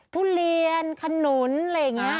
ทุเรียนขนุนอะไรอย่างนี้